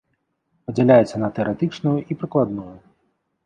Падзяляецца на тэарэтычную і прыкладную.